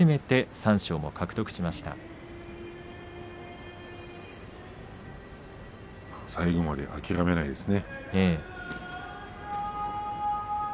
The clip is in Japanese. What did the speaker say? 最後まで諦めないですね。